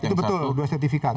itu betul dua sertifikat